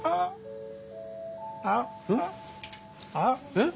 えっ？